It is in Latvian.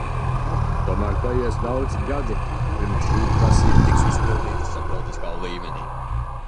Tomēr paies daudzi gadi, pirms šī prasība tiks izpildīta starptautiskā līmenī.